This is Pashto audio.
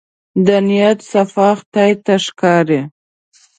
د نيت صفا خدای ته ښکاري.